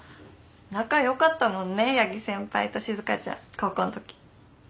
仲よかったもんね八木先輩と静ちゃん高校の時。